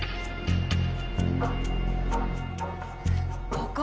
ここ。